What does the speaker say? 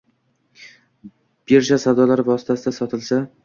birja savdolari vositasida sotilsa